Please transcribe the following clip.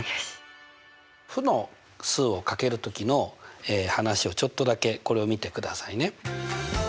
負の数を掛ける時の話をちょっとだけこれを見てくださいね。